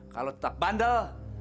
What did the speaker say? kalau tetap bandel